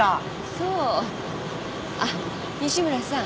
そうあっ西村さん